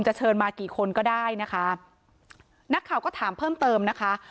เชิญมากี่คนก็ได้นะคะนักข่าวก็ถามเพิ่มเติมนะคะ